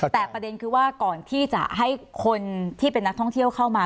แต่ประเด็นคือว่าก่อนที่จะให้คนที่เป็นนักท่องเที่ยวเข้ามา